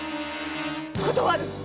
断る！